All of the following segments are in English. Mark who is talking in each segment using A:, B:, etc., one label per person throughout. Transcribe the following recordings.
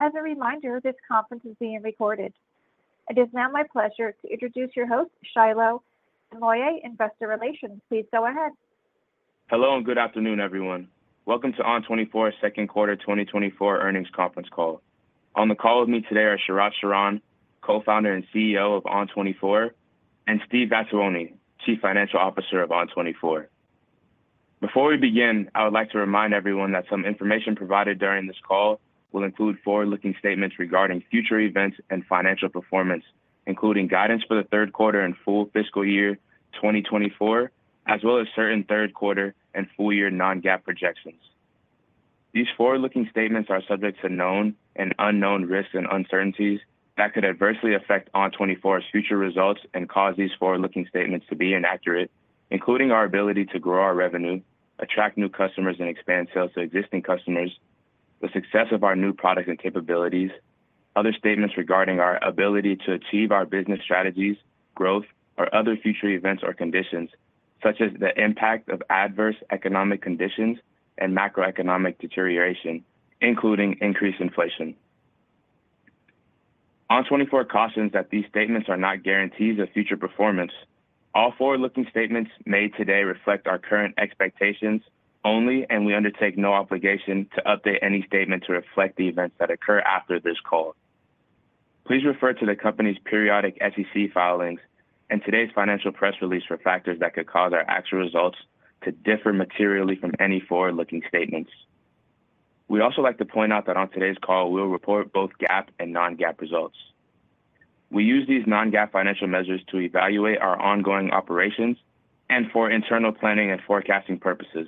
A: As a reminder, this conference is being recorded. It is now my pleasure to introduce your host, Shilo Moyo, Investor Relations. Please go ahead.
B: Hello, and good afternoon, everyone. Welcome to ON24's second quarter 2024 earnings conference call. On the call with me today are Sharat Sharan, Co-founder and CEO of ON24, and Steve Vattuone, Chief Financial Officer of ON24. Before we begin, I would like to remind everyone that some information provided during this call will include forward-looking statements regarding future events and financial performance, including guidance for the third quarter and full fiscal year 2024, as well as certain third quarter and full year non-GAAP projections. These forward-looking statements are subject to known and unknown risks and uncertainties that could adversely affect ON24's future results and cause these forward-looking statements to be inaccurate, including our ability to grow our revenue, attract new customers, and expand sales to existing customers, the success of our new products and capabilities, other statements regarding our ability to achieve our business strategies, growth, or other future events or conditions, such as the impact of adverse economic conditions and macroeconomic deterioration, including increased inflation. ON24 cautions that these statements are not guarantees of future performance. All forward-looking statements made today reflect our current expectations only, and we undertake no obligation to update any statement to reflect the events that occur after this call. Please refer to the company's periodic SEC filings and today's financial press release for factors that could cause our actual results to differ materially from any forward-looking statements. We'd also like to point out that on today's call, we'll report both GAAP and non-GAAP results. We use these non-GAAP financial measures to evaluate our ongoing operations and for internal planning and forecasting purposes.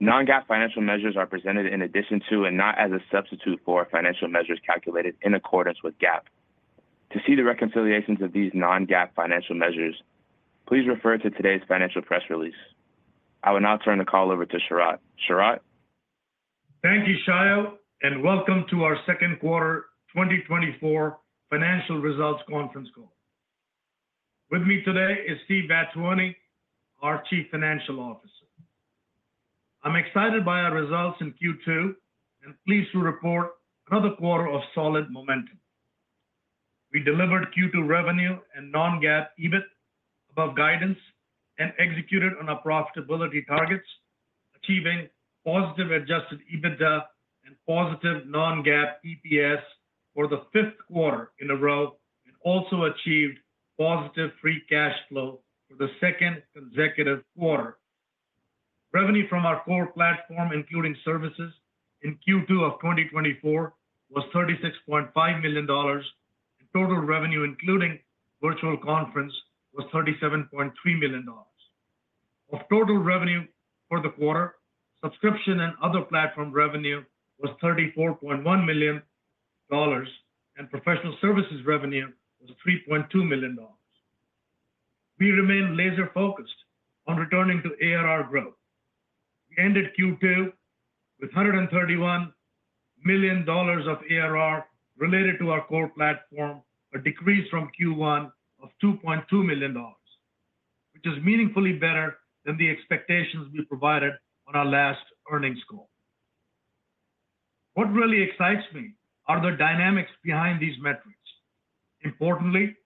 B: Non-GAAP financial measures are presented in addition to, and not as a substitute for, financial measures calculated in accordance with GAAP. To see the reconciliations of these non-GAAP financial measures, please refer to today's financial press release. I will now turn the call over to Sharat. Sharat?
C: Thank you, Shilo, and welcome to our second quarter 2024 financial results conference call. With me today is Steve Vattuone, our Chief Financial Officer. I'm excited by our results in Q2 and pleased to report another quarter of solid momentum. We delivered Q2 revenue and non-GAAP EBIT above guidance and executed on our profitability targets, achieving positive adjusted EBITDA and positive non-GAAP EPS for the fifth quarter in a row, and also achieved positive free cash flow for the second consecutive quarter. Revenue from our core platform, including services, in Q2 of 2024, was $36.5 million, and total revenue, including Virtual Conference, was $37.3 million. Of total revenue for the quarter, subscription and other platform revenue was $34.1 million, and professional services revenue was $3.2 million. We remain laser-focused on returning to ARR growth. We ended Q2 with $131 million of ARR related to our core platform, a decrease from Q1 of $2.2 million, which is meaningfully better than the expectations we provided on our last earnings call. What really excites me are the dynamics behind these metrics. Importantly,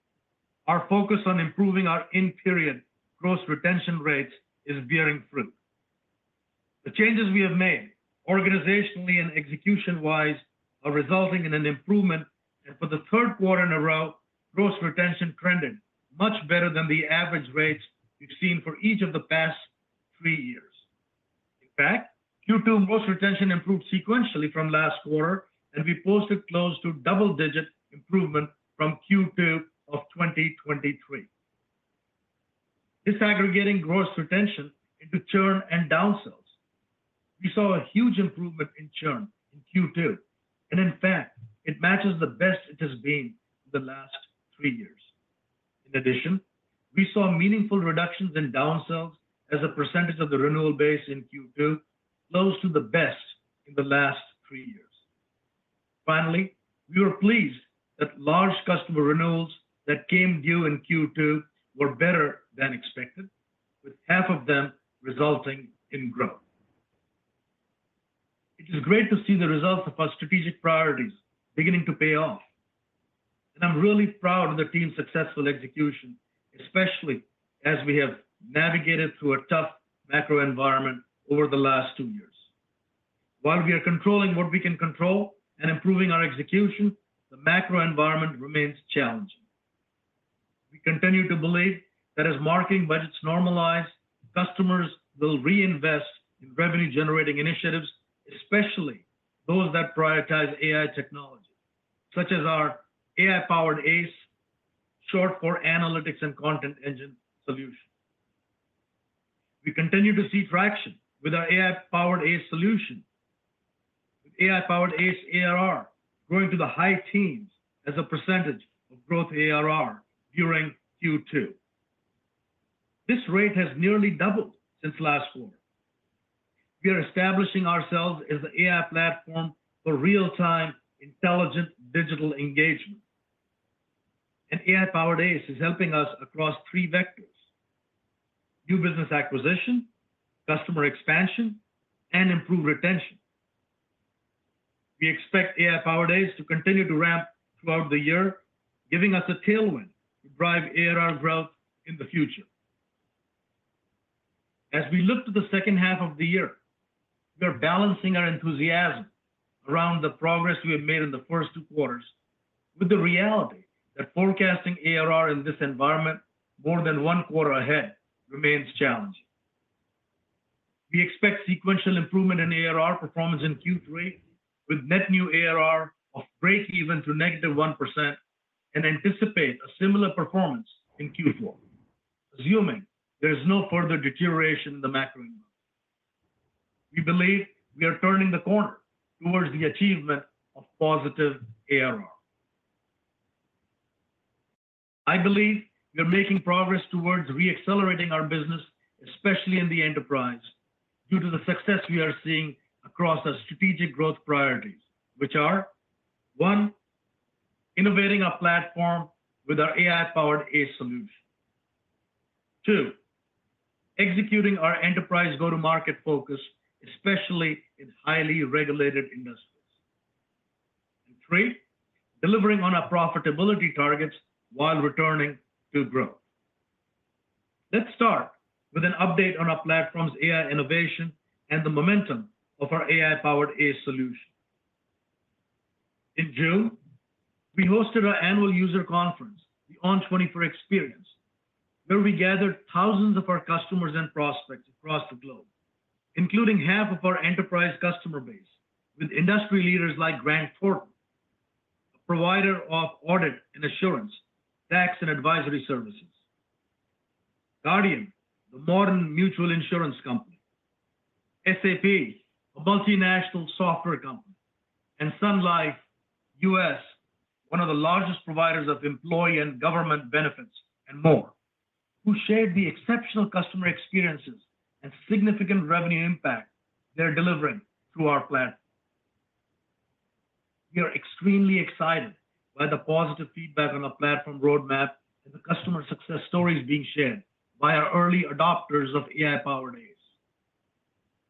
C: our focus on improving our in-period gross retention rates is bearing fruit. The changes we have made, organizationally and execution-wise, are resulting in an improvement, and for the third quarter in a row, gross retention trended much better than the average rates we've seen for each of the past three years. In fact, Q2 gross retention improved sequentially from last quarter, and we posted close to double-digit improvement from Q2 of 2023. Disaggregating gross retention into churn and downsells, we saw a huge improvement in churn in Q2, and in fact, it matches the best it has been in the last three years. In addition, we saw meaningful reductions in downsells as a percentage of the renewal base in Q2, close to the best in the last three years. Finally, we were pleased that large customer renewals that came due in Q2 were better than expected, with half of them resulting in growth. It is great to see the results of our strategic priorities beginning to pay off, and I'm really proud of the team's successful execution, especially as we have navigated through a tough macro environment over the last two years. While we are controlling what we can control and improving our execution, the macro environment remains challenging. We continue to believe that as marketing budgets normalize, customers will reinvest in revenue-generating initiatives, especially those that prioritize AI technology, such as our AI-powered ACE, short for Analytics and Content Engine solution. We continue to see traction with our AI-powered ACE solution, with AI-powered ACE ARR growing to the high teens% as a percentage of growth ARR during Q2. This rate has nearly doubled since last quarter. We are establishing ourselves as an AI platform for real-time, intelligent digital engagement, and AI-powered ACE is helping us across three vectors: new business acquisition, customer expansion, and improved retention. We expect AI-powered ACE to continue to ramp throughout the year, giving us a tailwind to drive ARR growth in the future. As we look to the second half of the year, we are balancing our enthusiasm around the progress we have made in the first two quarters, with the reality that forecasting ARR in this environment more than one quarter ahead remains challenging. We expect sequential improvement in ARR performance in Q3, with net new ARR of breakeven to -1%, and anticipate a similar performance in Q4, assuming there is no further deterioration in the macro environment. We believe we are turning the corner towards the achievement of positive ARR. I believe we are making progress towards re-accelerating our business, especially in the enterprise, due to the success we are seeing across our strategic growth priorities, which are, one, innovating our platform with our AI-powered ACE solution. Two, executing our enterprise go-to-market focus, especially in highly regulated industries. And three, delivering on our profitability targets while returning to growth. Let's start with an update on our platform's AI innovation and the momentum of our AI-powered ACE solution. In June, we hosted our annual user conference, the ON24 Experience, where we gathered thousands of our customers and prospects across the globe, including half of our enterprise customer base, with industry leaders like Grant Thornton, a provider of audit and assurance, tax and advisory services, Guardian, the modern mutual insurance company, SAP, a multinational software company, and Sun Life U.S., one of the largest providers of employee and government benefits, and more, who shared the exceptional customer experiences and significant revenue impact they're delivering through our platform. We are extremely excited by the positive feedback on our platform roadmap and the customer success stories being shared by our early adopters of AI-powered ACE.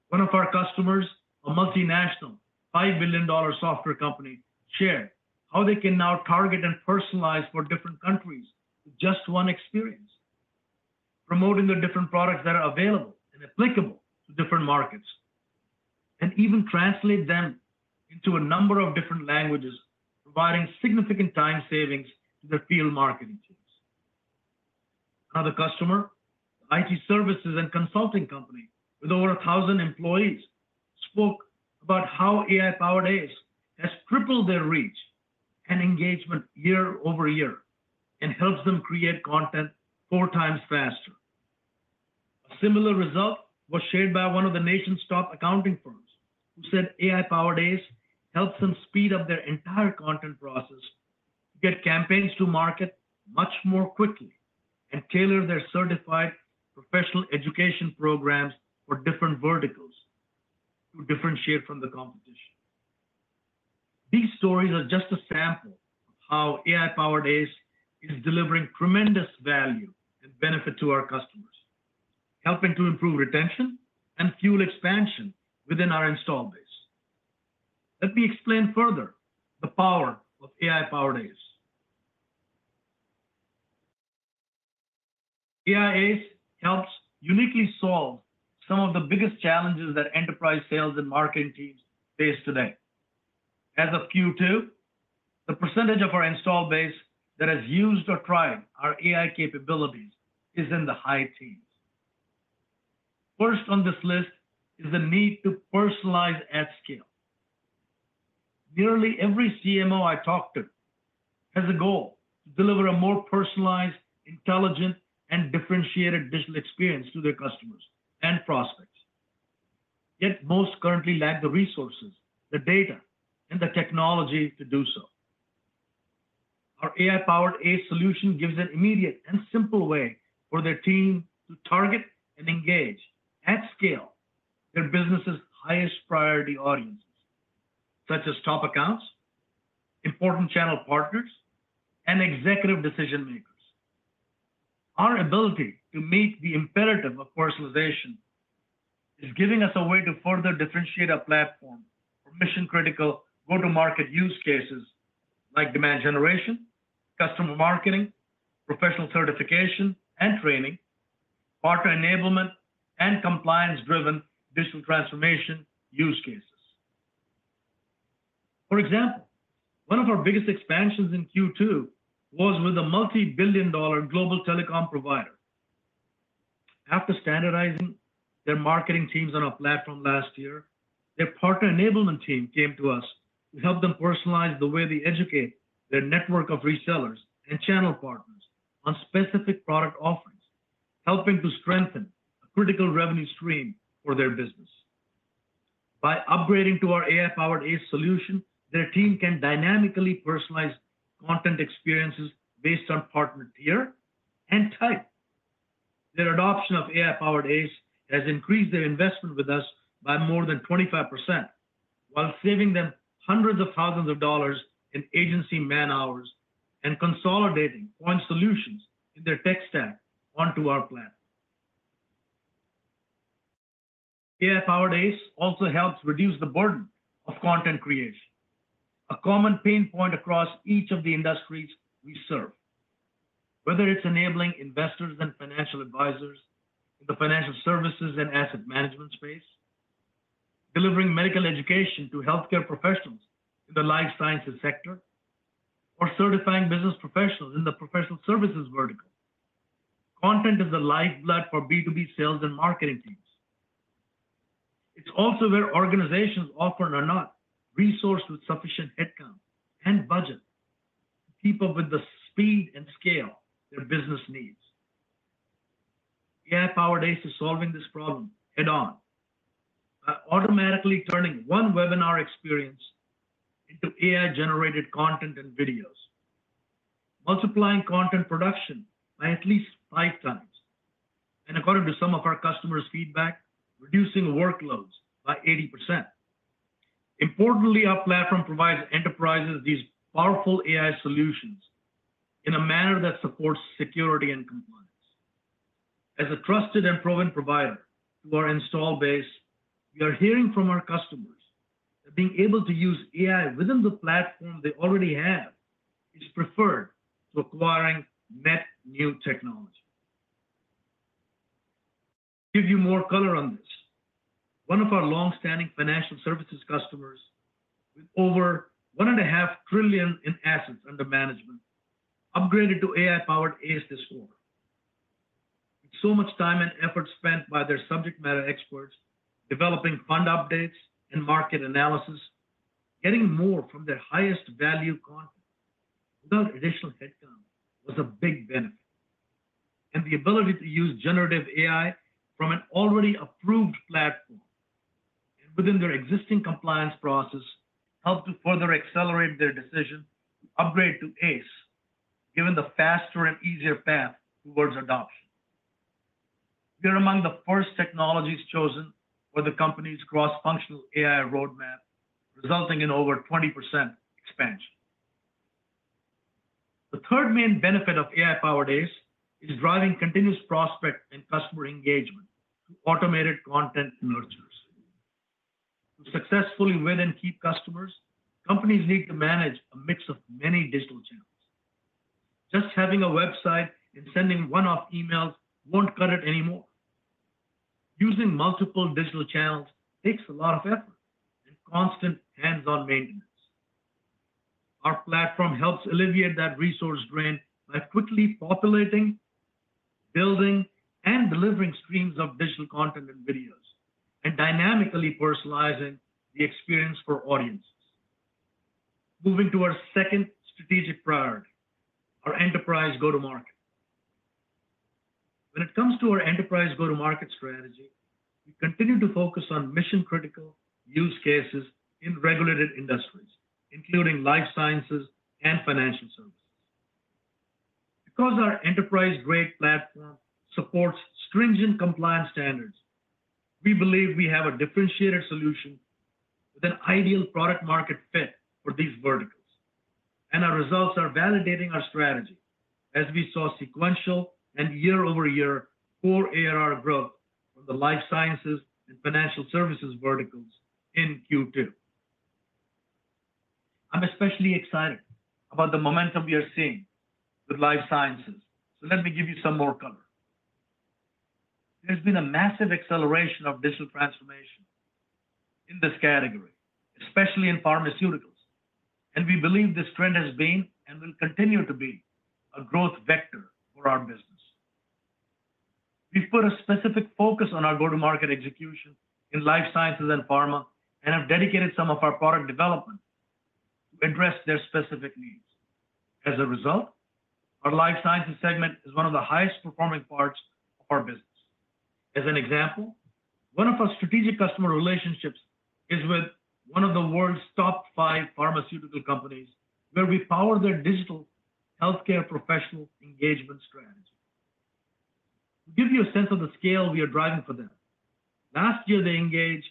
C: One of our customers, a multinational, $5 billion software company, shared how they can now target and personalize for different countries with just one experience, promoting the different products that are available and applicable to different markets, and even translate them into a number of different languages, providing significant time savings to their field marketing teams. Another customer, IT services and consulting company with over 1,000 employees, spoke about how AI-powered ACE has tripled their reach and engagement year-over-year and helps them create content four times faster. A similar result was shared by one of the nation's top accounting firms, who said AI-powered ACE helps them speed up their entire content process to get campaigns to market much more quickly and tailor their certified professional education programs for different verticals to differentiate from the competition. These stories are just a sample of how AI-powered ACE is delivering tremendous value and benefit to our customers, helping to improve retention and fuel expansion within our installed base. Let me explain further the power of AI-powered ACE. AI ACE helps uniquely solve some of the biggest challenges that enterprise sales and marketing teams face today. As of Q2, the percentage of our installed base that has used or tried our AI capabilities is in the high teens. First on this list is the need to personalize at scale. Nearly every CMO I talk to has a goal to deliver a more personalized, intelligent, and differentiated digital experience to their customers and prospects, yet most currently lack the resources, the data, and the technology to do so. Our AI-powered ACE solution gives an immediate and simple way for their team to target and engage, at scale, their business's highest priority audiences, such as top accounts, important channel partners, and executive decision makers. Our ability to meet the imperative of personalization is giving us a way to further differentiate our platform for mission-critical go-to-market use cases like demand generation, customer marketing, professional certification and training, partner enablement, and compliance-driven digital transformation use cases. For example, one of our biggest expansions in Q2 was with a multi-billion-dollar global telecom provider. After standardizing their marketing teams on our platform last year, their partner enablement team came to us to help them personalize the way they educate their network of resellers and channel partners on specific product offerings, helping to strengthen a critical revenue stream for their business. By upgrading to our AI-powered ACE solution, their team can dynamically personalize content experiences based on partner tier and type. Their adoption of AI-powered ACE has increased their investment with us by more than 25%, while saving them hundreds of thousands of dollars in agency man-hours and consolidating on solutions in their tech stack onto our plan. AI-powered ACE also helps reduce the burden of content creation, a common pain point across each of the industries we serve. Whether it's enabling investors and financial advisors in the financial services and asset management space, delivering medical education to healthcare professionals in the life sciences sector, or certifying business professionals in the professional services vertical, content is the lifeblood for B2B sales and marketing teams. It's also where organizations often are not resourced with sufficient headcount and budget to keep up with the speed and scale their business needs. AI-powered ACE is solving this problem head-on, by automatically turning one webinar experience into AI-generated content and videos, multiplying content production by at least 5 times, and according to some of our customers' feedback, reducing workloads by 80%. Importantly, our platform provides enterprises these powerful AI solutions in a manner that supports security and compliance. As a trusted and proven provider to our install base, we are hearing from our customers that being able to use AI within the platform they already have is preferred to acquiring net new technology. To give you more color on this, one of our long-standing financial services customers, with over $1.5 trillion in assets under management, upgraded to AI-powered ACE this quarter. So much time and effort spent by their subject matter experts, developing fund updates and market analysis, getting more from their highest value content without additional headcount was a big benefit. The ability to use generative AI from an already approved platform within their existing compliance process, helped to further accelerate their decision to upgrade to ACE, given the faster and easier path towards adoption. They're among the first technologies chosen for the company's cross-functional AI roadmap, resulting in over 20% expansion. The third main benefit of AI-powered ACE is driving continuous prospect and customer engagement through automated content nurtures. To successfully win and keep customers, companies need to manage a mix of many digital channels. Just having a website and sending one-off emails won't cut it anymore. Using multiple digital channels takes a lot of effort and constant hands-on maintenance. Our platform helps alleviate that resource drain by quickly populating, building, and delivering streams of digital content and videos, and dynamically personalizing the experience for audiences. Moving to our second strategic priority, our enterprise go-to-market. When it comes to our enterprise go-to-market strategy, we continue to focus on mission-critical use cases in regulated industries, including life sciences and financial services. Because our enterprise-grade platform supports stringent compliance standards, we believe we have a differentiated solution with an ideal product-market fit for these verticals. Our results are validating our strategy as we saw sequential and year-over-year core ARR growth from the life sciences and financial services verticals in Q2. I'm especially excited about the momentum we are seeing with life sciences, so let me give you some more color. There's been a massive acceleration of digital transformation in this category, especially in pharmaceuticals, and we believe this trend has been, and will continue to be, a growth vector for our business. We've put a specific focus on our go-to-market execution in life sciences and pharma, and have dedicated some of our product development to address their specific needs. As a result, our life sciences segment is one of the highest performing parts of our business. As an example, one of our strategic customer relationships is with one of the world's top 5 pharmaceutical companies, where we power their digital healthcare professional engagement strategy. To give you a sense of the scale we are driving for them, last year they engaged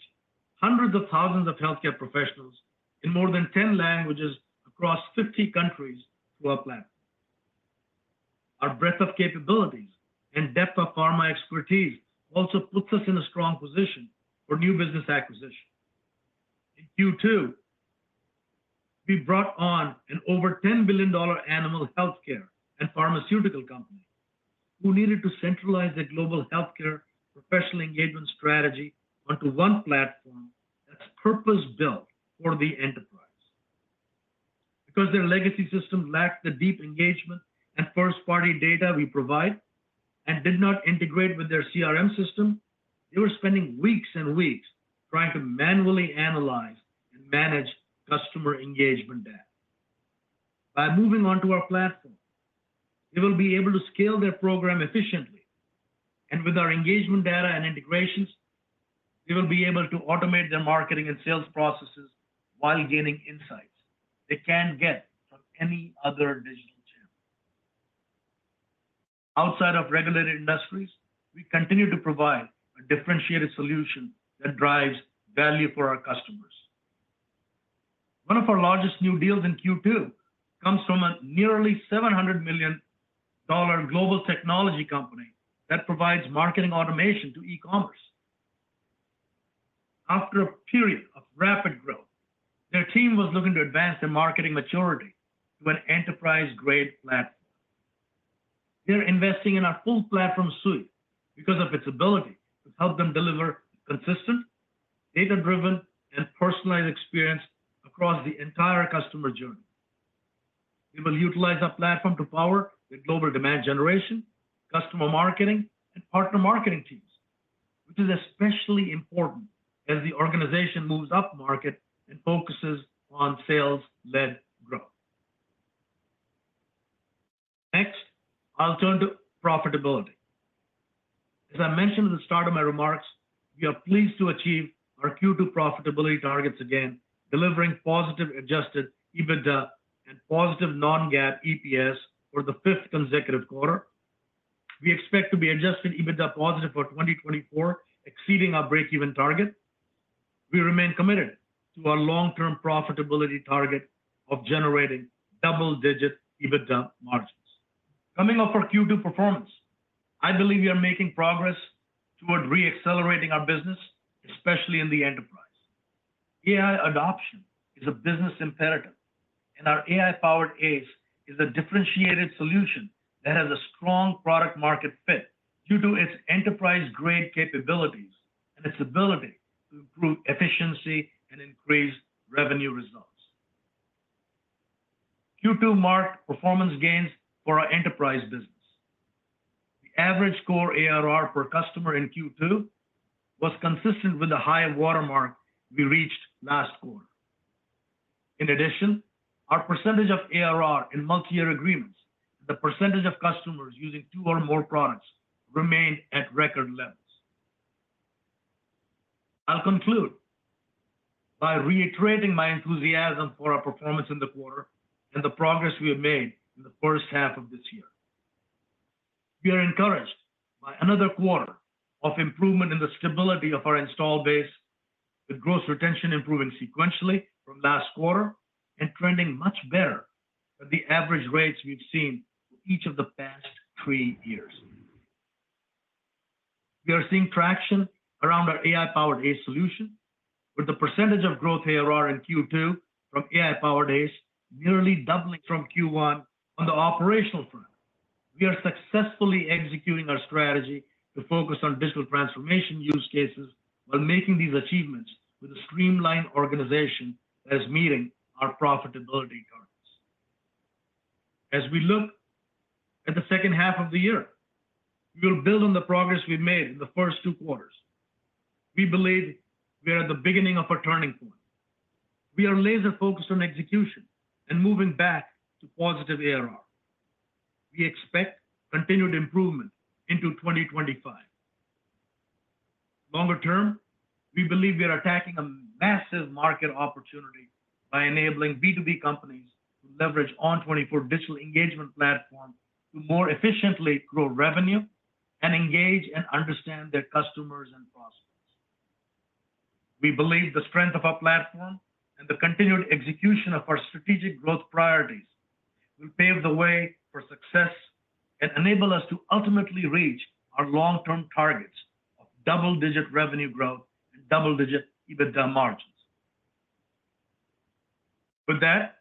C: hundreds of thousands of healthcare professionals in more than 10 languages across 50 countries through our platform. Our breadth of capabilities and depth of pharma expertise also puts us in a strong position for new business acquisition. In Q2, we brought on an over $10 billion dollar animal healthcare and pharmaceutical company, who needed to centralize their global healthcare professional engagement strategy onto one platform that's purpose-built for the enterprise. Because their legacy system lacked the deep engagement and first-party data we provide, and did not integrate with their CRM system, they were spending weeks and weeks trying to manually analyze and manage customer engagement data. By moving onto our platform, they will be able to scale their program efficiently, and with our engagement data and integrations. They will be able to automate their marketing and sales processes while gaining insights they can't get from any other digital channel. Outside of regulated industries, we continue to provide a differentiated solution that drives value for our customers. One of our largest new deals in Q2 comes from a nearly $700 million global technology company that provides marketing automation to e-commerce. After a period of rapid growth, their team was looking to advance their marketing maturity to an enterprise-grade platform. They're investing in our full platform suite because of its ability to help them deliver consistent, data-driven, and personalized experience across the entire customer journey. We will utilize our platform to power their global demand generation, customer marketing, and partner marketing teams, which is especially important as the organization moves upmarket and focuses on sales-led growth. Next, I'll turn to profitability. As I mentioned at the start of my remarks, we are pleased to achieve our Q2 profitability targets again, delivering positive Adjusted EBITDA and positive non-GAAP EPS for the fifth consecutive quarter. We expect to be Adjusted EBITDA positive for 2024, exceeding our breakeven target. We remain committed to our long-term profitability target of generating double-digit EBITDA margins. Coming off our Q2 performance, I believe we are making progress toward re-accelerating our business, especially in the enterprise. AI adoption is a business imperative, and our AI-powered ACE is a differentiated solution that has a strong product market fit due to its enterprise-grade capabilities and its ability to improve efficiency and increase revenue results. Q2 marked performance gains for our enterprise business. The average core ARR per customer in Q2 was consistent with the high watermark we reached last quarter. In addition, our percentage of ARR in multi-year agreements, the percentage of customers using 2 or more products remained at record levels. I'll conclude by reiterating my enthusiasm for our performance in the quarter and the progress we have made in the first half of this year. We are encouraged by another quarter of improvement in the stability of our installed base, with gross retention improving sequentially from last quarter and trending much better than the average rates we've seen for each of the past three years. We are seeing traction around our AI-powered ACE solution, with the percentage of growth ARR in Q2 from AI-powered ACE nearly doubling from Q1. On the operational front, we are successfully executing our strategy to focus on digital transformation use cases while making these achievements with a streamlined organization that is meeting our profitability targets. As we look at the second half of the year, we'll build on the progress we've made in the first two quarters. We believe we are at the beginning of a turning point. We are laser-focused on execution and moving back to positive ARR. We expect continued improvement into 2025. Longer term, we believe we are attacking a massive market opportunity by enabling B2B companies to leverage ON24 digital engagement platform to more efficiently grow revenue and engage and understand their customers and prospects. We believe the strength of our platform and the continued execution of our strategic growth priorities will pave the way for success and enable us to ultimately reach our long-term targets of double-digit revenue growth and double-digit EBITDA margins. With that,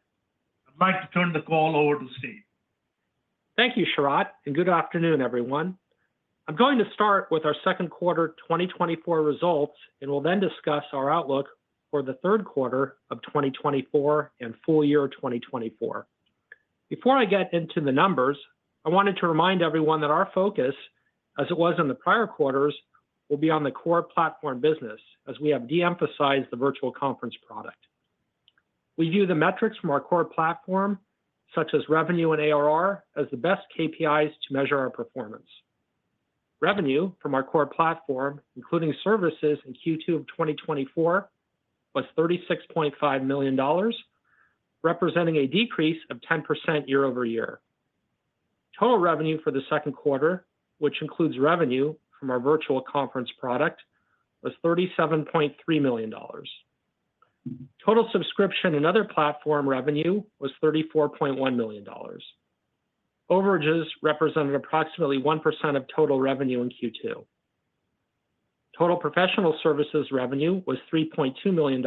C: I'd like to turn the call over to Steve.
D: Thank you, Sharat, and good afternoon, everyone. I'm going to start with our second quarter 2024 results, and will then discuss our outlook for the third quarter of 2024 and full year 2024. Before I get into the numbers, I wanted to remind everyone that our focus, as it was in the prior quarters, will be on the core platform business, as we have de-emphasized the Virtual Conference product. We view the metrics from our core platform, such as revenue and ARR, as the best KPIs to measure our performance. Revenue from our core platform, including services in Q2 of 2024, was $36.5 million, representing a decrease of 10% year-over-year. Total revenue for the second quarter, which includes revenue from our Virtual Conference product, was $37.3 million. Total subscription and other platform revenue was $34.1 million. Overages represented approximately 1% of total revenue in Q2. Total professional services revenue was $3.2 million,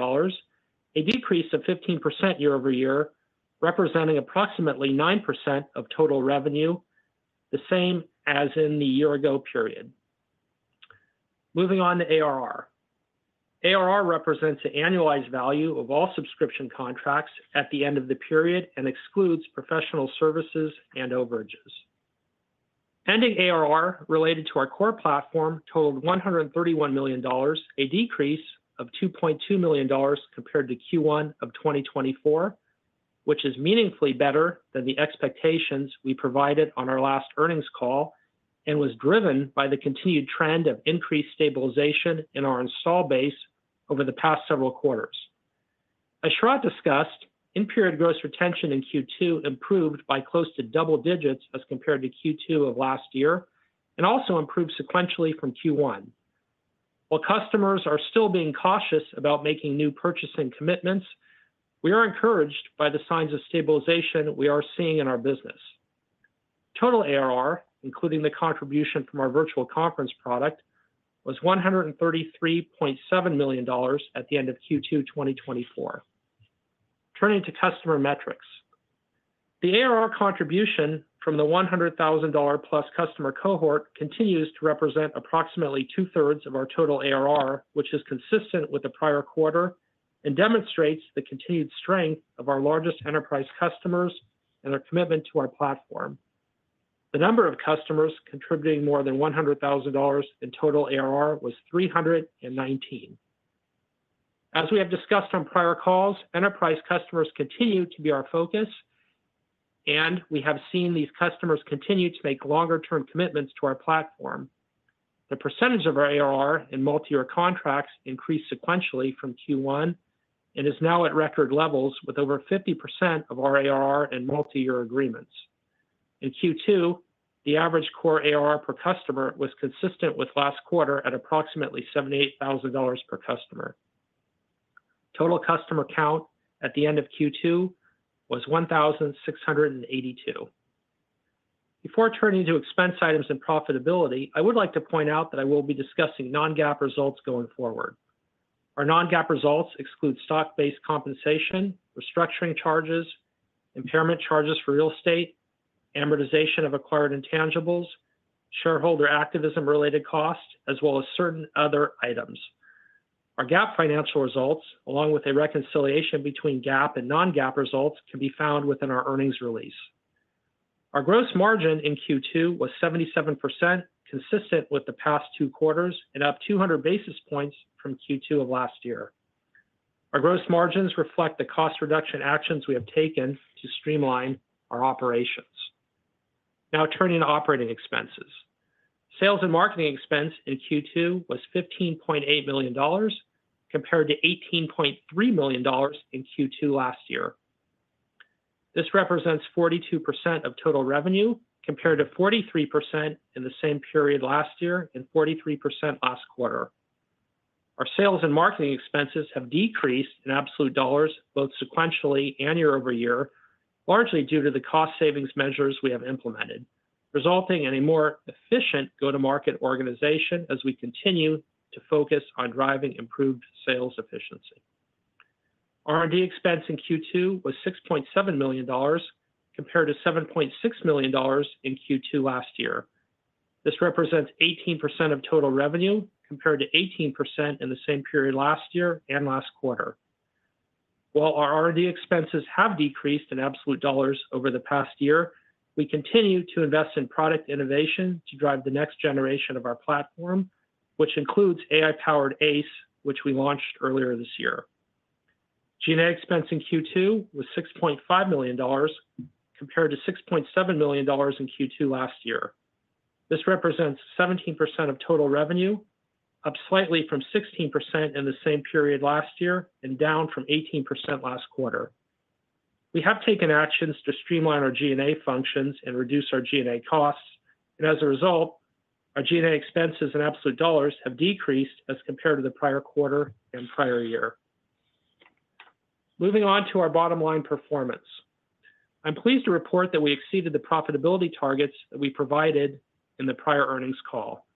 D: a decrease of 15% year-over-year, representing approximately 9% of total revenue, the same as in the year-ago period. Moving on to ARR. ARR represents the annualized value of all subscription contracts at the end of the period and excludes professional services and overages. Pending ARR related to our core platform totaled $131 million, a decrease of $2.2 million compared to Q1 of 2024. Which is meaningfully better than the expectations we provided on our last earnings call, and was driven by the continued trend of increased stabilization in our install base over the past several quarters. As Sharat discussed, in-period gross retention in Q2 improved by close to double digits as compared to Q2 of last year, and also improved sequentially from Q1. While customers are still being cautious about making new purchasing commitments, we are encouraged by the signs of stabilization we are seeing in our business. Total ARR, including the contribution from our Virtual Conference product, was $133.7 million at the end of Q2 2024. Turning to customer metrics. The ARR contribution from the $100,000 plus customer cohort continues to represent approximately two-thirds of our total ARR, which is consistent with the prior quarter, and demonstrates the continued strength of our largest enterprise customers and their commitment to our platform. The number of customers contributing more than $100,000 in total ARR was 319. As we have discussed on prior calls, enterprise customers continue to be our focus, and we have seen these customers continue to make longer-term commitments to our platform. The percentage of our ARR in multiyear contracts increased sequentially from Q1, and is now at record levels with over 50% of our ARR in multiyear agreements. In Q2, the average core ARR per customer was consistent with last quarter at approximately $78,000 per customer. Total customer count at the end of Q2 was 1,682. Before turning to expense items and profitability, I would like to point out that I will be discussing non-GAAP results going forward. Our non-GAAP results exclude stock-based compensation, restructuring charges, impairment charges for real estate, amortization of acquired intangibles, shareholder activism-related costs, as well as certain other items. Our GAAP financial results, along with a reconciliation between GAAP and non-GAAP results, can be found within our earnings release. Our gross margin in Q2 was 77%, consistent with the past two quarters, and up 200 basis points from Q2 of last year. Our gross margins reflect the cost reduction actions we have taken to streamline our operations. Now, turning to operating expenses. Sales and marketing expense in Q2 was $15.8 million, compared to $18.3 million in Q2 last year. This represents 42% of total revenue, compared to 43% in the same period last year and 43% last quarter. Our sales and marketing expenses have decreased in absolute dollars, both sequentially and year-over-year, largely due to the cost savings measures we have implemented, resulting in a more efficient go-to-market organization as we continue to focus on driving improved sales efficiency. R&D expense in Q2 was $6.7 million, compared to $7.6 million in Q2 last year. This represents 18% of total revenue, compared to 18% in the same period last year and last quarter. While our R&D expenses have decreased in absolute dollars over the past year, we continue to invest in product innovation to drive the next generation of our platform, which includes AI-powered ACE, which we launched earlier this year. G&A expense in Q2 was $6.5 million, compared to $6.7 million in Q2 last year. This represents 17% of total revenue, up slightly from 16% in the same period last year, and down from 18% last quarter. We have taken actions to streamline our G&A functions and reduce our G&A costs, and as a result, our G&A expenses in absolute dollars have decreased as compared to the prior quarter and prior year. Moving on to our bottom line performance. I'm pleased to report that we exceeded the profitability targets that we provided in the prior earnings call.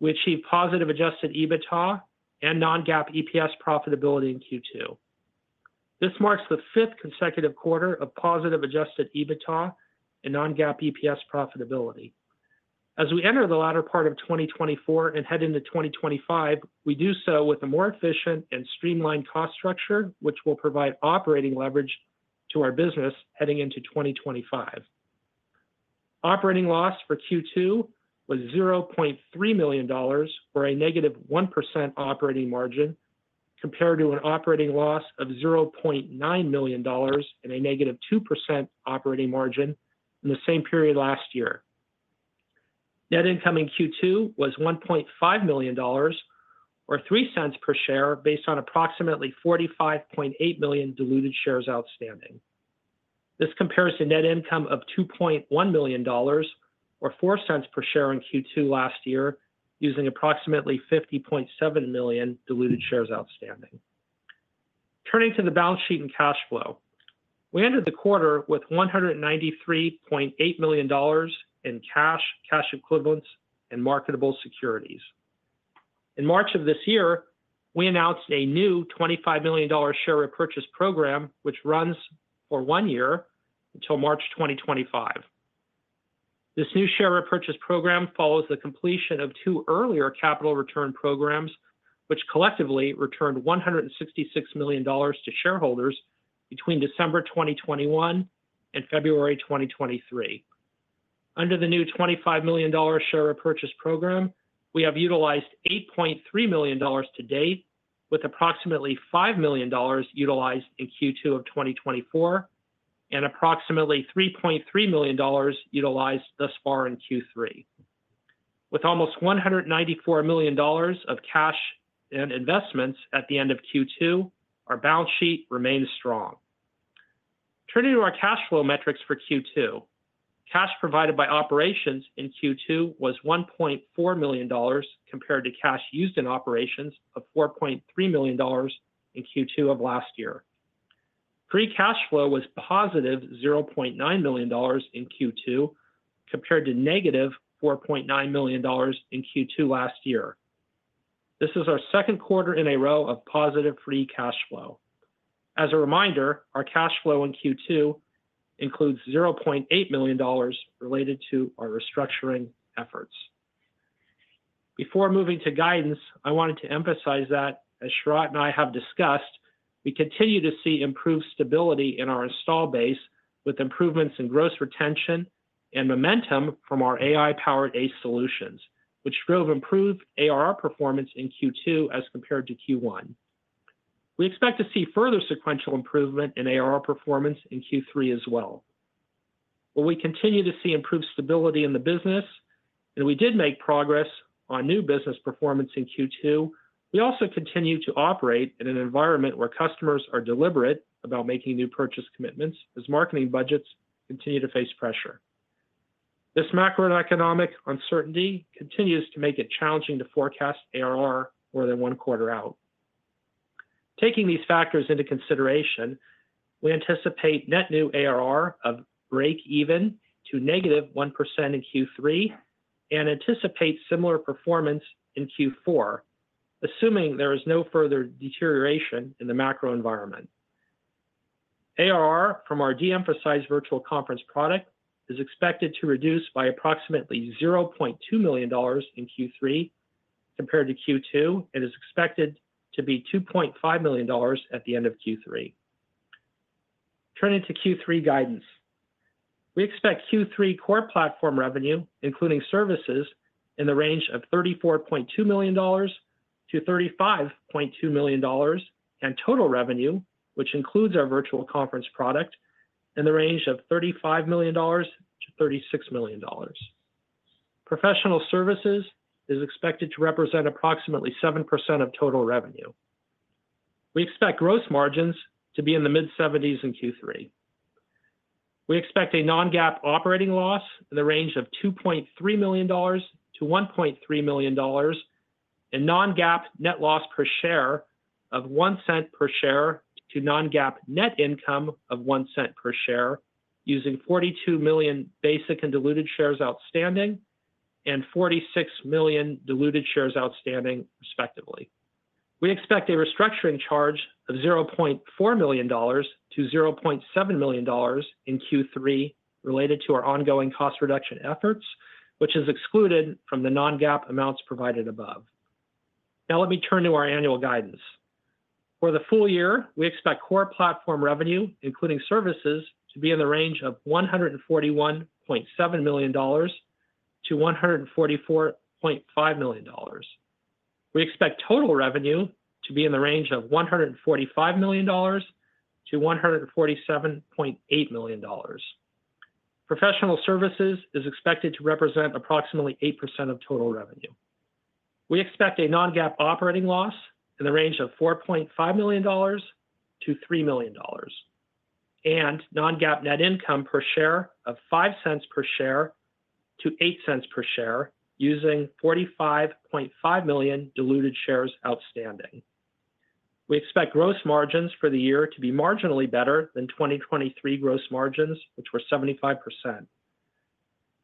D: We achieved positive Adjusted EBITDA and Non-GAAP EPS profitability in Q2. This marks the fifth consecutive quarter of positive Adjusted EBITDA and Non-GAAP EPS profitability. As we enter the latter part of 2024 and head into 2025, we do so with a more efficient and streamlined cost structure, which will provide operating leverage to our business heading into 2025. Operating loss for Q2 was $0.3 million, or a -1% operating margin, compared to an operating loss of $0.9 million and a -2% operating margin in the same period last year. Net income in Q2 was $1.5 million, or $0.03 per share, based on approximately 45.8 million diluted shares outstanding. This compares to net income of $2.1 million, or $0.04 per share in Q2 last year, using approximately 50.7 million diluted shares outstanding. Turning to the balance sheet and cash flow. We ended the quarter with $193.8 million in cash, cash equivalents, and marketable securities. In March of this year, we announced a new $25 million share repurchase program, which runs for one year until March 2025. This new share repurchase program follows the completion of two earlier capital return programs, which collectively returned $166 million to shareholders between December 2021 and February 2023. Under the new $25 million share repurchase program, we have utilized $8.3 million to date, with approximately $5 million utilized in Q2 of 2024, and approximately $3.3 million utilized thus far in Q3. With almost $194 million of cash and investments at the end of Q2, our balance sheet remains strong. Turning to our cash flow metrics for Q2. Cash provided by operations in Q2 was $1.4 million, compared to cash used in operations of $4.3 million in Q2 of last year. Free cash flow was positive $0.9 million in Q2, compared to -$4.9 million in Q2 last year. This is our second quarter in a row of positive free cash flow. As a reminder, our cash flow in Q2 includes $0.8 million related to our restructuring efforts. Before moving to guidance, I wanted to emphasize that, as Sharat and I have discussed, we continue to see improved stability in our installed base, with improvements in gross retention and momentum from our AI-powered ACE solutions, which drove improved ARR performance in Q2 as compared to Q1. We expect to see further sequential improvement in ARR performance in Q3 as well. While we continue to see improved stability in the business, and we did make progress on new business performance in Q2, we also continue to operate in an environment where customers are deliberate about making new purchase commitments as marketing budgets continue to face pressure. This macroeconomic uncertainty continues to make it challenging to forecast ARR more than one quarter out. Taking these factors into consideration, we anticipate net new ARR of breakeven to -1% in Q3 and anticipate similar performance in Q4, assuming there is no further deterioration in the macro environment. ARR from our de-emphasized Virtual Conference product is expected to reduce by approximately $0.2 million in Q3 compared to Q2, and is expected to be $2.5 million at the end of Q3. Turning to Q3 guidance. We expect Q3 core platform revenue, including services, in the range of $34.2 million-$35.2 million, and total revenue, which includes our Virtual Conference product, in the range of $35 million-$36 million. Professional services is expected to represent approximately 7% of total revenue. We expect gross margins to be in the mid-70s in Q3. We expect a non-GAAP operating loss in the range of $2.3 million-$1.3 million, and non-GAAP net loss per share of $0.01 per share to non-GAAP net income of $0.01 per share, using 42 million basic and diluted shares outstanding and 46 million diluted shares outstanding, respectively. We expect a restructuring charge of $0.4 million-$0.7 million in Q3 related to our ongoing cost reduction efforts, which is excluded from the Non-GAAP amounts provided above. Now, let me turn to our annual guidance. For the full year, we expect core platform revenue, including services, to be in the range of $141.7 million-$144.5 million. We expect total revenue to be in the range of $145 million-$147.8 million. Professional services is expected to represent approximately 8% of total revenue. We expect a non-GAAP operating loss in the range of $4.5 million-$3 million, and non-GAAP net income per share of $0.05-$0.08 per share, using 45.5 million diluted shares outstanding. We expect gross margins for the year to be marginally better than 2023 gross margins, which were 75%.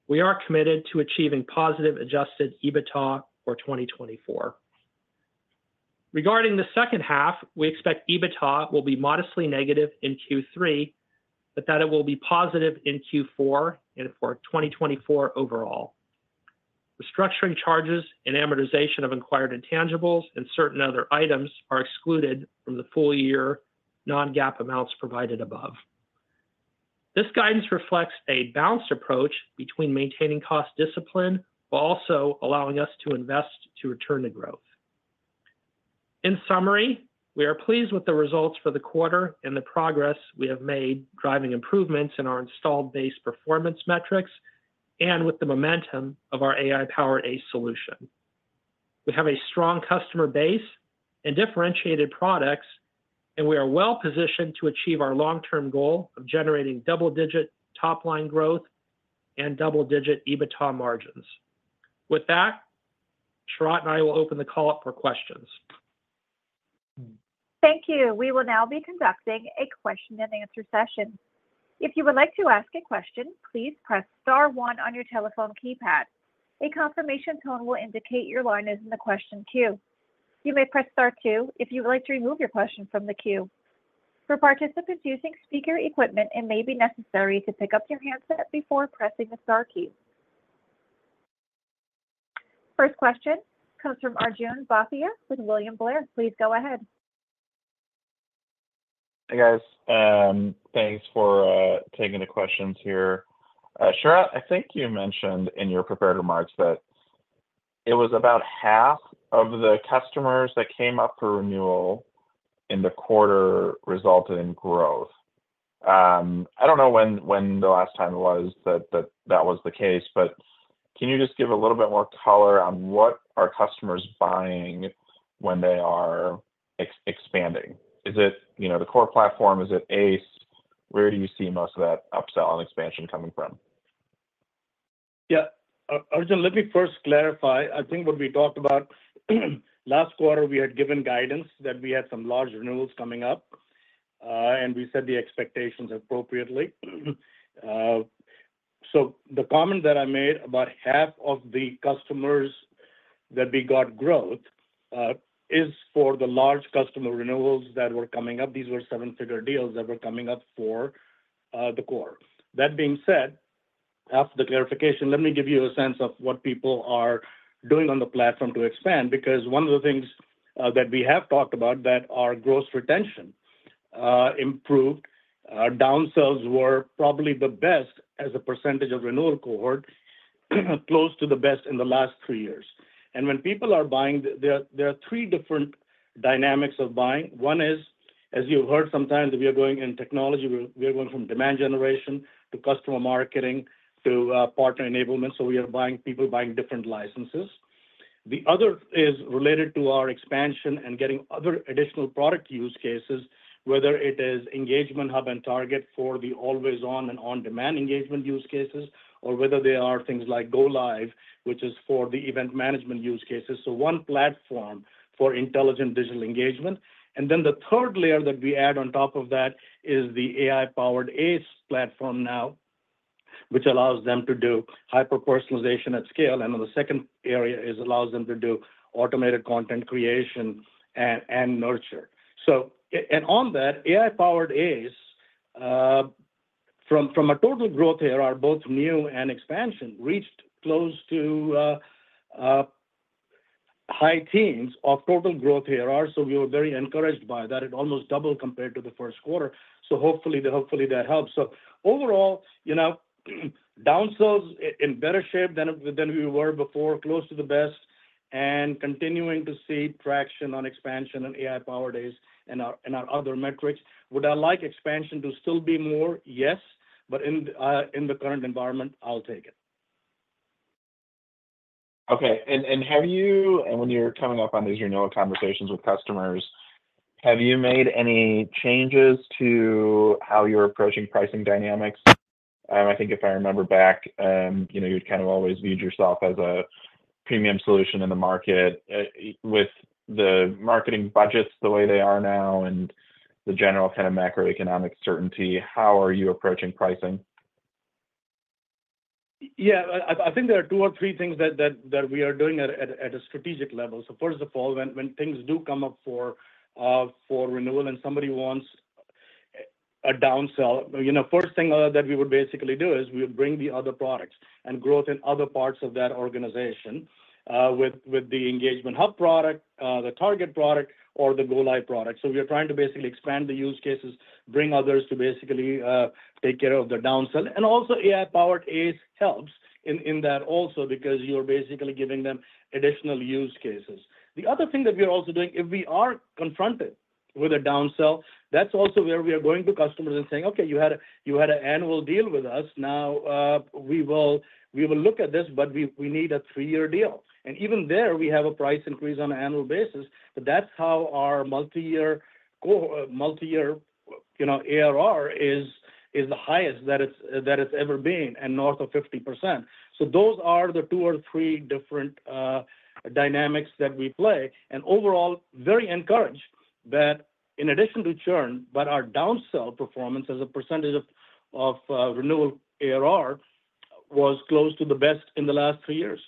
D: We are committed to achieving positive adjusted EBITDA for 2024. Regarding the second half, we expect EBITDA will be modestly negative in Q3, but that it will be positive in Q4 and for 2024 overall. Restructuring charges and amortization of acquired intangibles and certain other items are excluded from the full-year non-GAAP amounts provided above. This guidance reflects a balanced approach between maintaining cost discipline while also allowing us to invest to return to growth. In summary, we are pleased with the results for the quarter and the progress we have made driving improvements in our installed base performance metrics and with the momentum of our AI-powered ACE solution. We have a strong customer base and differentiated products, and we are well-positioned to achieve our long-term goal of generating double-digit top-line growth and double-digit EBITDA margins. With that, Sharat and I will open the call up for questions.
A: Thank you. We will now be conducting a question-and-answer session. If you would like to ask a question, please press star one on your telephone keypad. A confirmation tone will indicate your line is in the question queue. You may press star two if you would like to remove your question from the queue. For participants using speaker equipment, it may be necessary to pick up your handset before pressing the star key. First question comes from Arjun Bhatia with William Blair. Please go ahead.
E: Hey, guys. Thanks for taking the questions here. Sharat, I think you mentioned in your prepared remarks that it was about half of the customers that came up for renewal in the quarter resulted in growth. I don't know when the last time was that that was the case, but can you just give a little bit more color on what are customers buying when they are expanding? Is it, you know, the core platform? Is it ACE? Where do you see most of that upsell and expansion coming from?
C: Yeah. Arjun, let me first clarify. I think what we talked about, last quarter, we had given guidance that we had some large renewals coming up, and we set the expectations appropriately. So the comment that I made, about half of the customers that we got growth, is for the large customer renewals that were coming up. These were seven-figure deals that were coming up for the core. That being said, after the clarification, let me give you a sense of what people are doing on the platform to expand, because one of the things that we have talked about, that our gross retention improved. Our downsells were probably the best as a percentage of renewal cohort, close to the best in the last three years. When people are buying, there are three different dynamics of buying. One is, as you've heard, sometimes we are going in technology, we are going from demand generation to customer marketing to partner enablement. So people are buying different licenses. The other is related to our expansion and getting other additional product use cases, whether it is Engagement Hub and Target for the always on and on-demand engagement use cases, or whether they are things like Go Live, which is for the event management use cases. So one platform for intelligent digital engagement. And then the third layer that we add on top of that is the AI-powered ACE platform now, which allows them to do hyper-personalization at scale, and then the second area is allows them to do automated content creation and nurture. So, and on that, AI-powered ACE, from a total growth ARR, both new and expansion, reached close to high teens of total growth ARR, so we were very encouraged by that. It almost doubled compared to the first quarter. So hopefully that helps. So overall, you know, downsells in better shape than we were before, close to the best, and continuing to see traction on expansion and AI-powered ACE and our other metrics. Would I like expansion to still be more? Yes, but in the current environment, I'll take it.
E: Okay. When you're coming up on these renewal conversations with customers, have you made any changes to how you're approaching pricing dynamics? I think if I remember back, you know, you'd kind of always viewed yourself as a premium solution in the market. With the marketing budgets the way they are now and the general kind of macroeconomic certainty, how are you approaching pricing?
C: Yeah, I think there are two or three things that we are doing at a strategic level. So first of all, when things do come up for renewal and somebody wants a downsell, you know, first thing that we would basically do is we would bring the other products and growth in other parts of that organization with the Engagement Hub product, the Target product, or the Go Live product. So we are trying to basically expand the use cases, bring others to basically take care of the downsell. And also, AI-powered ACE helps in that also because you're basically giving them additional use cases. The other thing that we are also doing, if we are confronted with a downsell, that's also where we are going to customers and saying, "Okay, you had a, you had an annual deal with us. Now, we will, we will look at this, but we, we need a three-year deal." And even there, we have a price increase on an annual basis, but that's how our multi-year, you know, ARR is, is the highest that it's, that it's ever been, and north of 50%. So those are the two or three different dynamics that we play, and overall, very encouraged that in addition to churn, but our downsell performance as a percentage of, of, renewal ARR was close to the best in the last three years.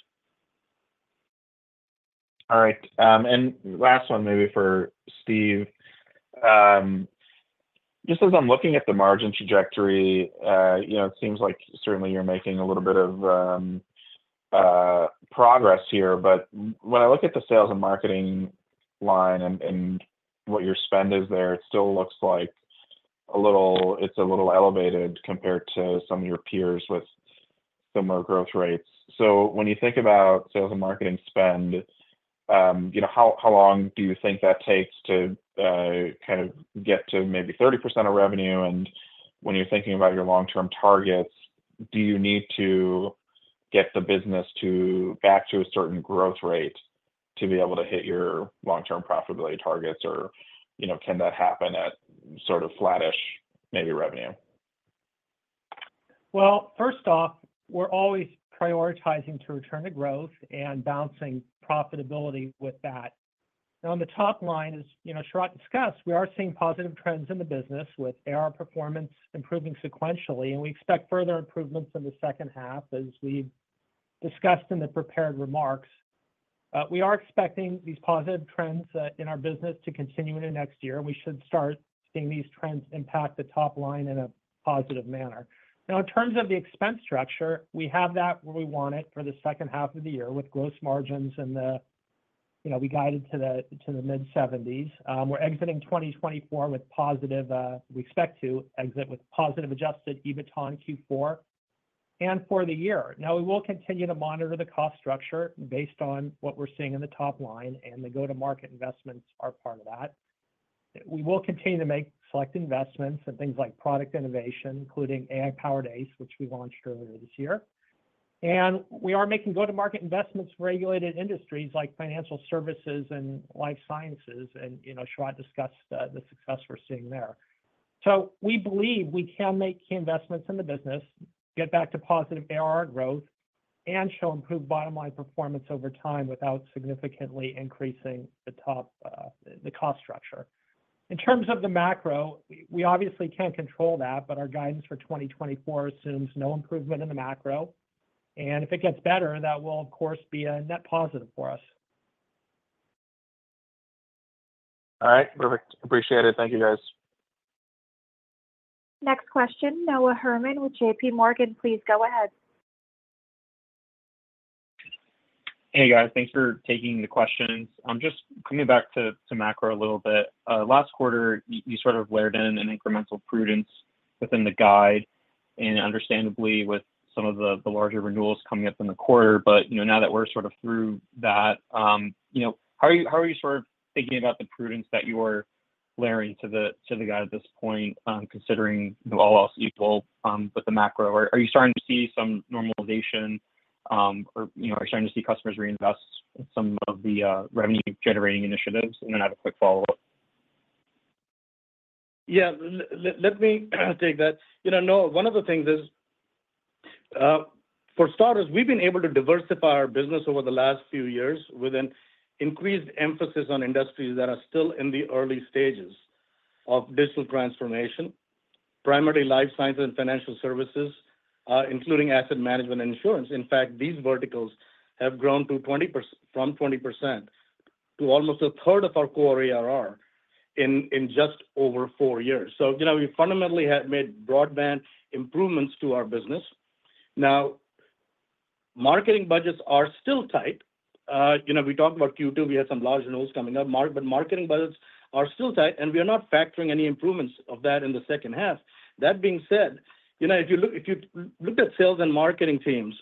E: All right, and last one maybe for Steve. Just as I'm looking at the margin trajectory, you know, it seems like certainly you're making a little bit of progress here, but when I look at the sales and marketing line and what your spend is there, it still looks like it's a little elevated compared to some of your peers with similar growth rates. So when you think about sales and marketing spend, you know, how long do you think that takes to kind of get to maybe 30% of revenue? And when you're thinking about your long-term targets, do you need to get the business to back to a certain growth rate to be able to hit your long-term profitability targets or, you know, can that happen at sort of flattish maybe revenue?
D: Well, first off, we're always prioritizing to return to growth and balancing profitability with that. Now, on the top line, as you know, Sharat discussed, we are seeing positive trends in the business, with AR performance improving sequentially, and we expect further improvements in the second half, as we've discussed in the prepared remarks. We are expecting these positive trends in our business to continue into next year, and we should start seeing these trends impact the top line in a positive manner. Now, in terms of the expense structure, we have that where we want it for the second half of the year, with gross margins and the, you know, we guided to the, to the mid-70s. We're exiting 2024 with positive, we expect to exit with positive Adjusted EBITDA in Q4 and for the year. Now, we will continue to monitor the cost structure based on what we're seeing in the top line, and the go-to-market investments are part of that. We will continue to make select investments in things like product innovation, including AI-powered ACE, which we launched earlier this year. And we are making go-to-market investments in regulated industries like financial services and life sciences. And, you know, Sharat discussed the success we're seeing there. So we believe we can make key investments in the business, get back to positive ARR growth, and show improved bottom line performance over time without significantly increasing the top, the cost structure. In terms of the macro, we obviously can't control that, but our guidance for 2024 assumes no improvement in the macro. And if it gets better, that will, of course, be a net positive for us.
E: All right. Perfect. Appreciate it. Thank you, guys.
A: Next question, Noah Herman with J.P. Morgan. Please go ahead.
F: Hey, guys. Thanks for taking the questions. I'm just coming back to macro a little bit. Last quarter, you sort of layered in an incremental prudence within the guide and understandably, with some of the larger renewals coming up in the quarter. But, you know, now that we're sort of through that, you know, how are you sort of thinking about the prudence that you are layering to the guide at this point, considering all else equal, with the macro? Or are you starting to see some normalization, or, you know, are you starting to see customers reinvest in some of the revenue-generating initiatives? And then I have a quick follow-up.
C: Yeah, let me take that. You know, Noah, one of the things is, for starters, we've been able to diversify our business over the last few years with an increased emphasis on industries that are still in the early stages of digital transformation, primarily life science and financial services, including asset management and insurance. In fact, these verticals have grown from 20% to almost a third of our core ARR in just over four years. So, you know, we fundamentally have made broadband improvements to our business. Now, marketing budgets are still tight. You know, we talked about Q2, we have some large renewals coming up, but marketing budgets are still tight, and we are not factoring any improvements of that in the second half. That being said, you know, if you look, if you look at sales and marketing teams,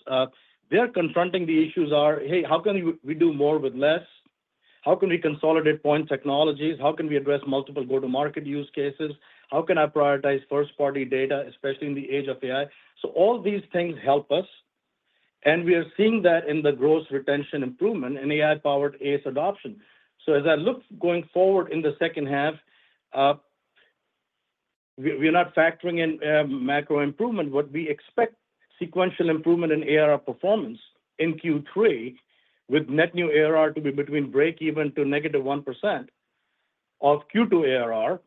C: they are confronting the issues are, "Hey, how can we, we do more with less? How can we consolidate point technologies? How can we address multiple go-to-market use cases? How can I prioritize first-party data, especially in the age of AI?" So all these things help us, and we are seeing that in the gross retention improvement in AI-powered ACE adoption. So as I look going forward in the second half, we, we're not factoring in, macro improvement, but we expect sequential improvement in ARR performance in Q3, with net new ARR to be between breakeven to negative 1% of Q2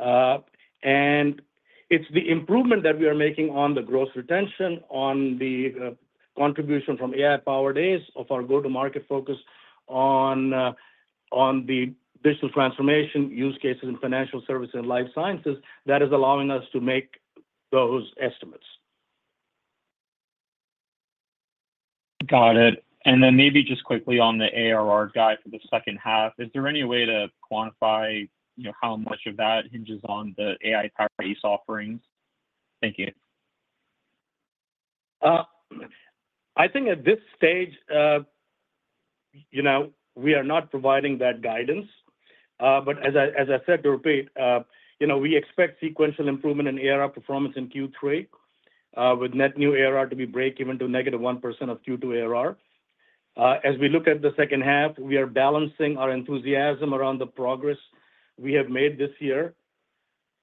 C: ARR. and it's the improvement that we are making on the gross retention, on the contribution from AI-powered ACE of our go-to-market focus on the digital transformation use cases in financial services and life sciences, that is allowing us to make those estimates.
F: Got it. And then maybe just quickly on the ARR guide for the second half, is there any way to quantify, you know, how much of that hinges on the AI-powered ACE offerings? Thank you.
C: I think at this stage, you know, we are not providing that guidance. But as I said, to repeat, you know, we expect sequential improvement in ARR performance in Q3, with net new ARR to be breakeven to negative 1% of Q2 ARR. As we look at the second half, we are balancing our enthusiasm around the progress we have made this year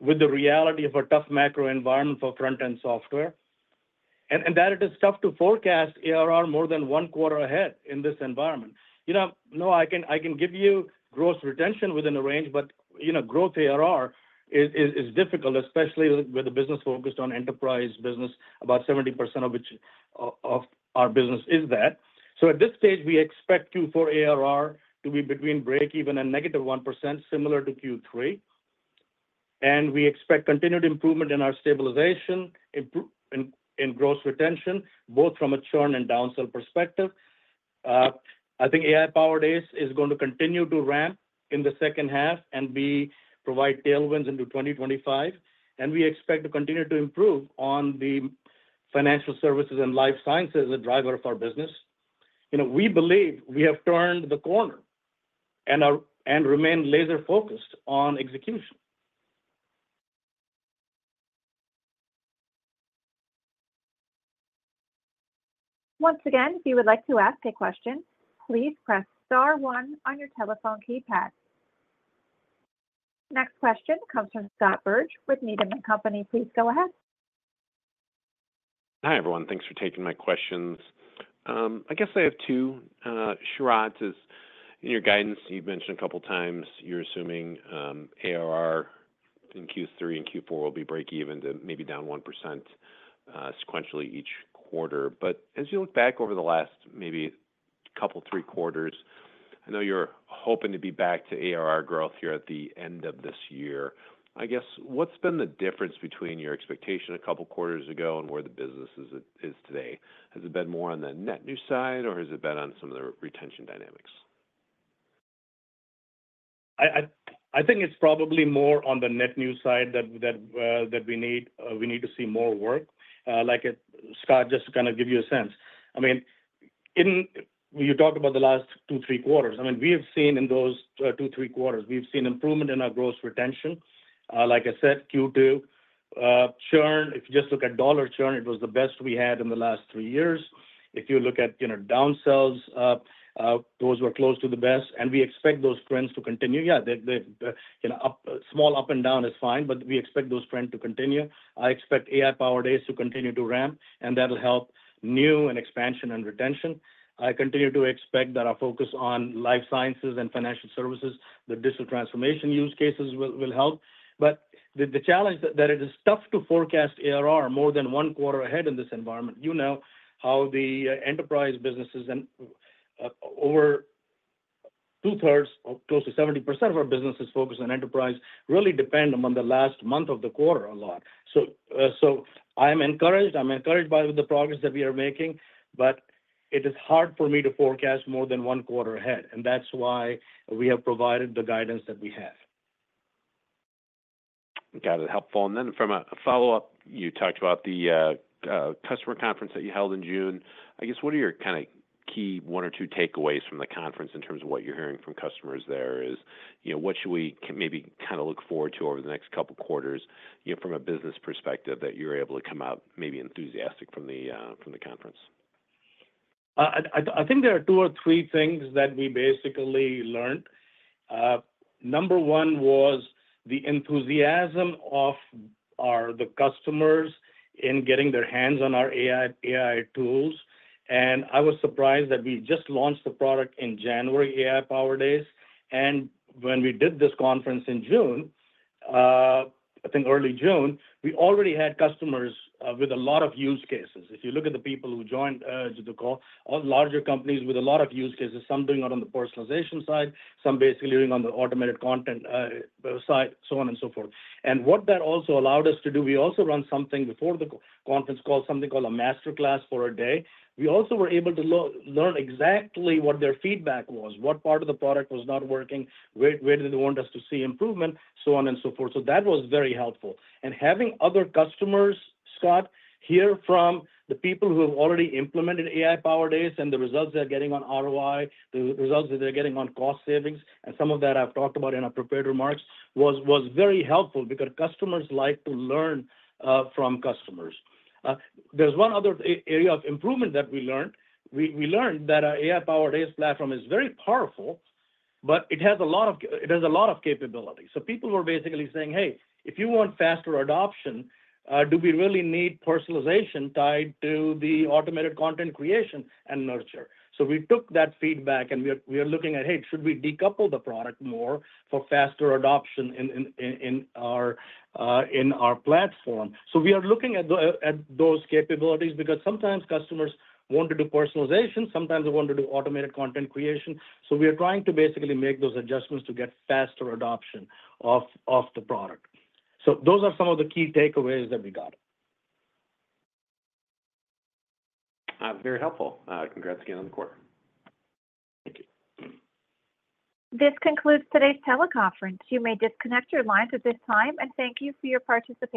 C: with the reality of a tough macro environment for front-end software. And that it is tough to forecast ARR more than one quarter ahead in this environment. You know, Noah, I can give you gross retention within a range, but, you know, growth ARR is difficult, especially with the business focused on enterprise business, about 70% of which, of our business is that. So at this stage, we expect Q4 ARR to be between breakeven and -1%, similar to Q3. We expect continued improvement in our stabilization and in gross retention, both from a churn and downsell perspective. I think AI-powered ACE is going to continue to ramp in the second half and provide tailwinds into 2025, and we expect to continue to improve on the financial services and life sciences, the driver of our business. You know, we believe we have turned the corner and remain laser-focused on execution.
A: Once again, if you would like to ask a question, please press star one on your telephone keypad. Next question comes from Scott Berg with Needham & Company. Please go ahead.
G: Hi, everyone. Thanks for taking my questions. I guess I have two. Sharat, in your guidance, you've mentioned a couple of times you're assuming ARR in Q3 and Q4 will be breakeven to maybe down 1%, sequentially each quarter. But as you look back over the last maybe couple, three quarters, I know you're hoping to be back to ARR growth here at the end of this year. I guess, what's been the difference between your expectation a couple quarters ago and where the business is today? Has it been more on the net new side, or has it been on some of the retention dynamics?
C: I think it's probably more on the net new side that we need to see more work. Like, Scott, just to kind of give you a sense, I mean, you talked about the last two, three quarters. I mean, we have seen in those two, three quarters, we've seen improvement in our gross retention. Like I said, Q2 churn, if you just look at dollar churn, it was the best we had in the last three years. If you look at, you know, downsells, those were close to the best, and we expect those trends to continue. Yeah, the, you know, small up and down is fine, but we expect those trend to continue. I expect AI-powered ACE to continue to ramp, and that'll help new and expansion and retention. I continue to expect that our focus on life sciences and financial services, the digital transformation use cases will help. But the challenge that it is tough to forecast ARR more than one quarter ahead in this environment. You know how the enterprise businesses and over two-thirds, or close to 70% of our business is focused on enterprise, really depend on the last month of the quarter a lot. So I am encouraged, I'm encouraged by the progress that we are making, but it is hard for me to forecast more than one quarter ahead, and that's why we have provided the guidance that we have.
G: Got it. Helpful. And then from a follow-up, you talked about the customer conference that you held in June. I guess, what are your kind of key one or two takeaways from the conference in terms of what you're hearing from customers there is, you know, what should we maybe kinda look forward to over the next couple quarters, you know, from a business perspective, that you're able to come out maybe enthusiastic from the conference?
C: I think there are two or three things that we basically learned. Number one was the enthusiasm of our customers in getting their hands on our AI tools. And I was surprised that we just launched the product in January, AI-powered ACE, and when we did this conference in June, I think early June, we already had customers with a lot of use cases. If you look at the people who joined the call, all larger companies with a lot of use cases, some doing it on the personalization side, some basically doing on the automated content side, so on and so forth. And what that also allowed us to do, we also run something before the conference called a master class for a day. We also were able to learn exactly what their feedback was, what part of the product was not working, where did they want us to see improvement, so on and so forth. So that was very helpful. And having other customers, Scott, hear from the people who have already implemented AI-powered ACE, and the results they're getting on ROI, the results that they're getting on cost savings, and some of that I've talked about in our prepared remarks, was very helpful because customers like to learn from customers. There's one other area of improvement that we learned. We learned that our AI-powered ACE platform is very powerful, but it has a lot of capability. So people were basically saying, "Hey, if you want faster adoption, do we really need personalization tied to the automated content creation and nurture?" So we took that feedback, and we are looking at, hey, should we decouple the product more for faster adoption in our platform? So we are looking at those capabilities because sometimes customers want to do personalization, sometimes they want to do automated content creation. So we are trying to basically make those adjustments to get faster adoption of the product. So those are some of the key takeaways that we got.
G: Very helpful. Congrats again on the quarter.
C: Thank you.
A: This concludes today's teleconference. You may disconnect your lines at this time, and thank you for your participation.